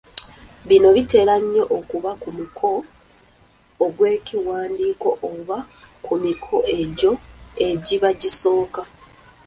Bino bitera nnyo okuba ku muko gw’ekiwandiiko oba ku miko egyo egiba gisooka.